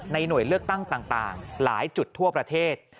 หน่วยเลือกตั้งต่างหลายจุดทั่วประเทศ